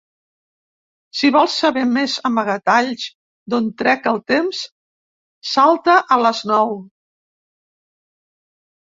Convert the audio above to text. Si vols saber més amagatalls d'on trec el temps, salta a les nou.